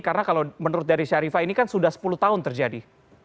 karena kalau menurut dari syarifah ini kan sudah sepuluh tahun terjadi